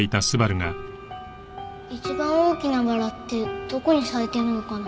一番大きなバラってどこに咲いてるのかな？